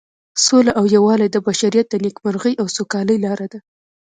سوله او یووالی د بشریت د نیکمرغۍ او سوکالۍ لاره ده.